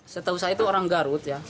setahu saya itu orang garut ya